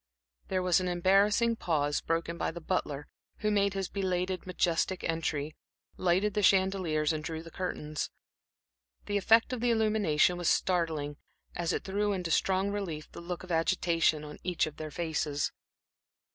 There was an embarrassing pause, broken by the butler, who made his belated, majestic entry, lighted the chandeliers and drew the curtains. The effect of the illumination was startling, as it threw into strong relief the look of agitation on each of their faces.